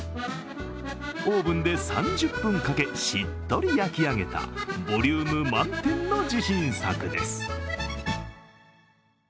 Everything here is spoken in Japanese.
オーブンで３０分かけ、しっとり焼き上げたボリューム満点の自信作です。